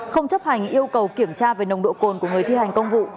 không chấp hành yêu cầu kiểm tra về nồng độ cồn của người thi hành công vụ